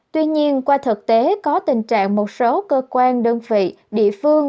tuy nhiên qua thực tế có tình trạng một số cơ quan đơn vị địa phương